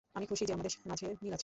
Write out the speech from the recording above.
আমি খুশি যে আমাদের মাঝে মিল আছে।